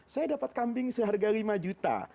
saya dapat kambing seharga lima juta